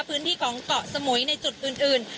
พื้นที่ของเกาะสมุยในจุดอื่น